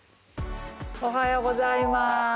おはようございます。